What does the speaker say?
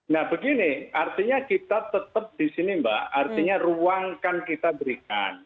nah begini artinya kita tetap di sini mbak artinya ruang kan kita berikan